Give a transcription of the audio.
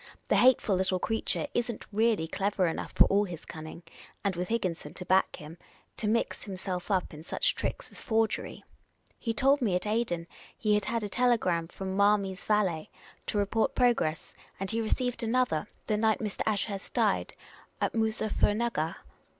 The hateful little creature is n't really clever enough, for all his cunning, — and with Higginson to back him, — to mix himself up in such tricks as forgery. He told me at Aden he had had a telegram from ' Marmy's valet,' to report progress ; and he received another, the night Mr. Ashurst died, at Moozuffernuggar.